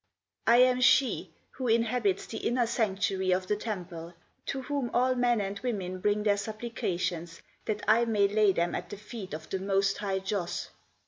" I am she who inhabits the inner sanctuary of the temple ; to whom all men and women bring their supplications, that I may lay them at the feet of the Most High Joss."